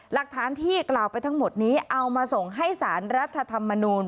หลักฐานที่กล่าวไปทั้งหมดนี้เอามาส่งให้สารรัฐธรรมนูล